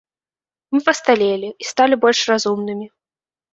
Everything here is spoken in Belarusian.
Мы пасталелі і сталі больш разумнымі.